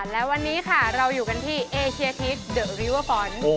และวันนี้ค่ะเราอยู่กันที่เอเชียทิศเดอะริเวอร์ฟอนด์